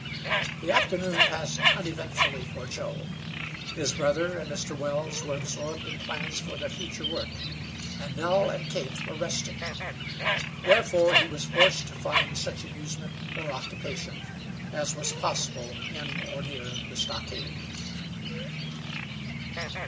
The afternoon passed uneventfully for Joe. His brother and Mr. Wells were absorbed in plans for their future work, and Nell and Kate were resting; therefore he was forced to find such amusement or occupation as was possible in or near the stockade.